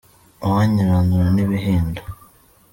Uwankiranura n’ibihinda